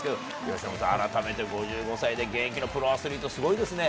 由伸さん、改めて５５歳で現役のプロアスリート、すごいですね。